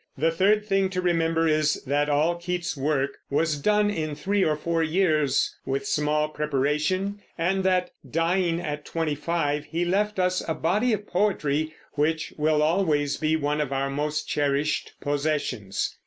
The third thing to remember is that all Keats's work was done in three or four years, with small preparation, and that, dying at twenty five, he left us a body of poetry which will always be one of our most cherished possessions.